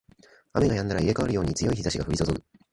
雨が止んだら入れ替わるように強い日差しが降りそそぐ